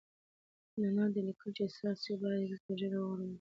د نل لیکه چي څاڅي باید ژر تر ژره ورغول سي.